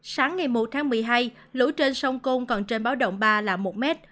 sáng ngày một tháng một mươi hai lũ trên sông côn còn trên báo động ba là một m